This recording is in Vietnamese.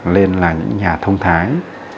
nên là những nhà thông thái